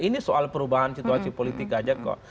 ini soal perubahan situasi politik aja kok